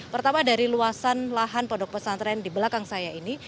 pertama dari luasan lahan pondok pesantren di belakang saya ini